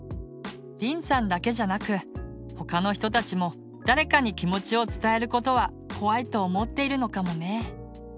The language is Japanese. りんさんだけじゃなく他の人たちも誰かに気持ちを伝えることは怖いと思っているのかもね。